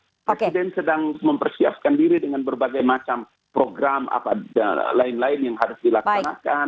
presiden sedang mempersiapkan diri dengan berbagai macam program lain lain yang harus dilaksanakan